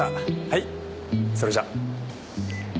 はいそれじゃ。